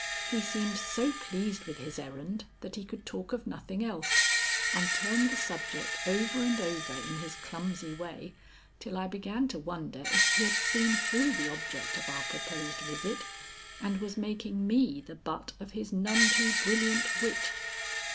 He seemed so pleased with his errand that he could talk of nothing else, and turned the subject over and over in his clumsy way, till I began to wonder if he had seen through the object of our proposed visit and was making me the butt of his none too brilliant wit.